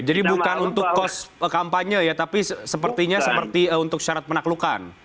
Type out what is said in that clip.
jadi bukan untuk kos kampanye ya tapi sepertinya seperti untuk syarat penaklukan